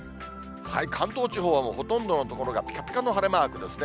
関東地方はもうほとんどの所がぴかぴかの晴れマークですね。